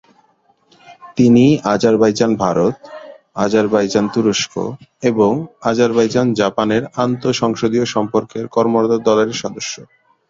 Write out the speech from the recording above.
তিনি আজারবাইজান-ভারত, আজারবাইজান-তুরস্ক এবং আজারবাইজান-জাপানের আন্তঃ সংসদীয় সম্পর্কের কর্মরত দলের সদস্য।